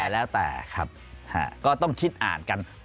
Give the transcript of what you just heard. แล้วแต่ครับก็ต้องคิดอ่านกัน